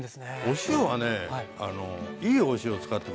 お塩はねいいお塩を使って下さい。